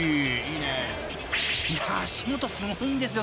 ［いや足元すごいんですよ